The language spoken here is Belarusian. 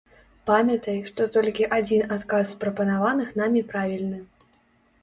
Памятай, што толькі адзін адказ з прапанаваных намі правільны.